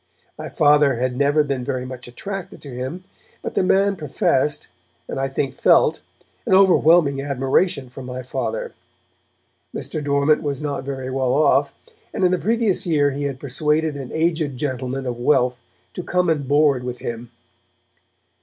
My Father had never been very much attracted to him, but the man professed, and I think felt, an overwhelming admiration for my Father. Mr. Dormant was not very well off, and in the previous year he had persuaded an aged gentleman of wealth to come and board with him.